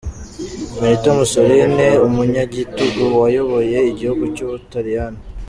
Benito Mussolini, umunyagitugu wayoboye igihugu cy’u Butaliyani.